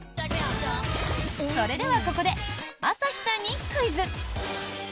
それではここで朝日さんにクイズ！